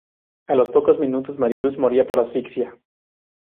A los pocos minutos Mari Luz moría por asfixia.